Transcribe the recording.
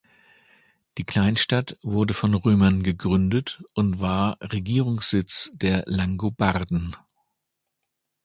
Die Kleinstadt wurde von Römern gegründet und war Regierungssitz der Langobarden.